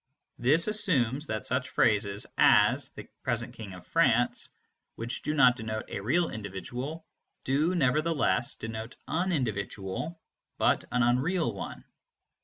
This assumes that such phrases as "the present King of France," which do not denote a real individual, do, nevertheless, denote an individual, but an unreal one.